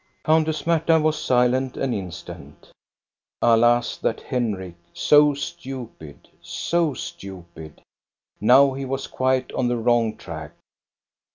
" Countess Marta was silent an instant. Alas, that Henrik, so stupid, so stupid ! Now he was quite on the wrong track.